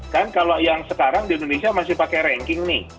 kan kalau yang sekarang di indonesia masih pakai ranking nih